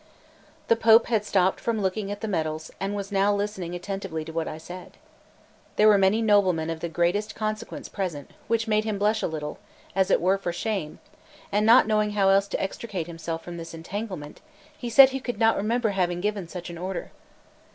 The Pope had stopped from looking at the medals and was now listening attentively to what I said. There were many noblemen of the greatest consequence present, which made him blush a little, as it were for shame; and not knowing how else to extricate himself from this entanglement, he said that he could not remember having given such an order.